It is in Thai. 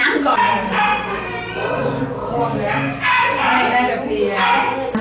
โอ้โหโอ้โหโอ้โหโอ้โห